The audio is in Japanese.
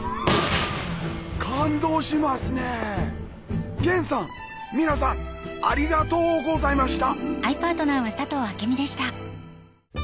感動しますね厳さん皆さんありがとうございました！